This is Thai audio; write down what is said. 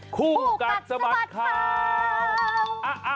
ภูคัตสมัดข่าว